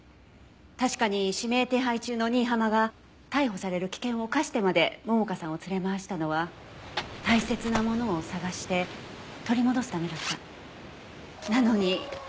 確かに指名手配中の新浜が逮捕される危険を冒してまで桃香さんを連れ回したのは大切なものを捜して取り戻すためだった。